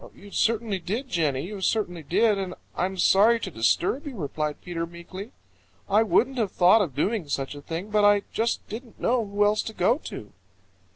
"You certainly did, Jenny. You certainly did, and I'm sorry to disturb you," replied Peter meekly. "I wouldn't have thought of doing such a thing, but I just didn't know who else to go to."